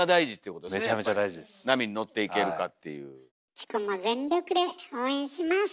チコも全力で応援します！